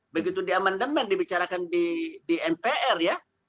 begitu diaman demen dibicarakan di mpr ya